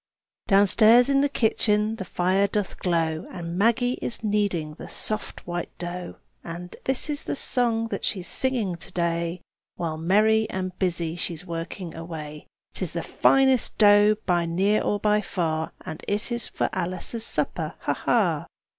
hi!" Downstairs in the kitchen the fire doth glow, And Maggie is kneading the soft white dough, And this is the song that she's singing to day, While merry and busy she's working away: "'Tis the finest dough, by near or by far, And it is for Alice's supper, ha! ha!"